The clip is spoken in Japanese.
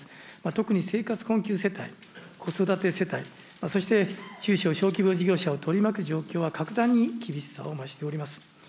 特に生活困窮世帯、子育て世帯、そして中小・小規模事業者を取り巻く状況は格段に厳しさを増しております。